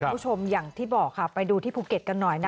คุณผู้ชมอย่างที่บอกค่ะไปดูที่ภูเก็ตกันหน่อย